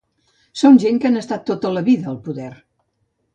Són gent que han estat tota la vida al poder.